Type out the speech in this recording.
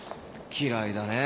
嫌いだね。